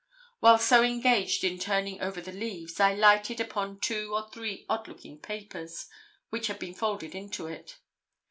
While so engaged in turning over the leaves, I lighted upon two or three odd looking papers, which had been folded into it.